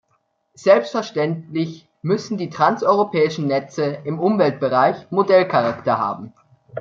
Selbstverständlich müssen die transeuropäischen Netze im Umweltbereich Modellcharakter haben.